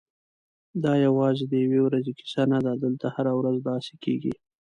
دا یوازې د یوې ورځې کیسه نه ده، دلته هره ورځ داسې کېږي.